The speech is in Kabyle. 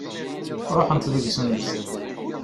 Ṛuḥent deg-sent.